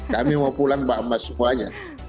kami mau pulang mbak emas semuanya